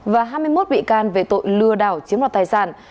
và hai mươi một bị can về tội lừa đảo chiếm đoạt tài sản